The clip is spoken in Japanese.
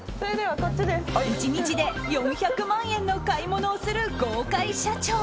１日で４００万円の買い物をする豪快社長。